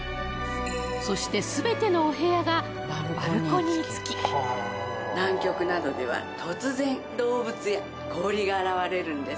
そして全てのお部屋がバルコニー付き南極などでは突然動物や氷が現れるんです